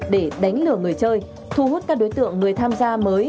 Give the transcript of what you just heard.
để đánh lừa người chơi thu hút các đối tượng người tham gia mới